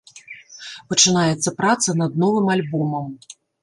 Пачынаецца праца над новым альбомам.